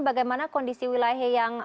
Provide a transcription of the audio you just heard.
bagaimana kondisi wilayahnya